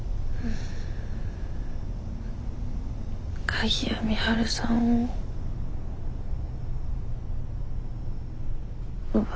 鍵谷美晴さんを奪った。